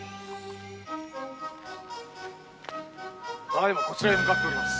ただ今こちらに向かっております